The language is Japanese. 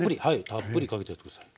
たっぷりかけちゃって下さい。